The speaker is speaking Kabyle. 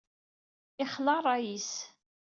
Ixla rray-is!